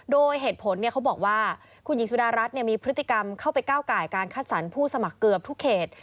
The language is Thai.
โดยเหตุผลเขาบอกว่าคุณหญิงสุดารัฐมีพฤติกรรมเข้าไปก้าวไก่การคัดสรรผู้สมัครเกือบทุกเขต